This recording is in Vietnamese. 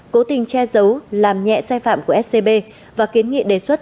cố tình che giấu làm nhẹ sai phạm của scb và kiến nghị đề xuất